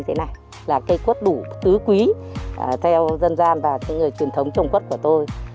xin chào tạm biệt và hẹn gặp lại